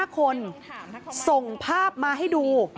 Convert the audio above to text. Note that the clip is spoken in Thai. ๕คนส่งภาพมาให้ดู